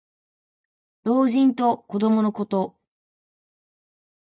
老人と子どものこと。